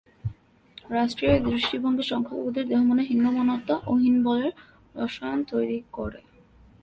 রাষ্ট্রীয় এই দৃষ্টিভঙ্গি সংখ্যালঘুদের দেহমনে হীনম্মন্যতা ও হীনবলের রসায়ন তৈরি করে।